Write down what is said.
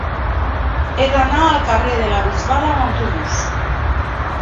He d'anar al carrer de la Bisbal amb autobús.